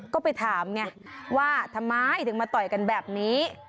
ก็ไปถามไงว่าทำไมถึงมาต่อยกันแบบนี้